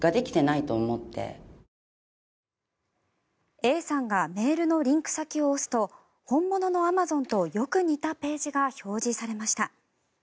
Ａさんがメールのリンク先を押すと本物のアマゾンとよく似たページが表示されました。